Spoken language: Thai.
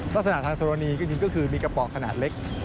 ลักษณะทางธรณีจริงก็คือมีกระป๋องขนาดเล็ก